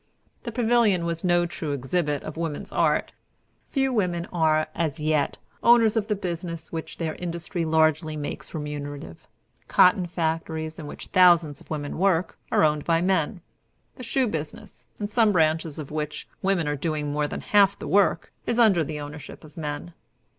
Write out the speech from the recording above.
The Pavilion was no true exhibit of woman's art. Few women are, as yet, owners of the business which their industry largely makes remunerative. Cotton factories, in which thousands of women work, are owned by men. The shoe business, in some branches of which women are doing more than half the work, is under the ownership of men.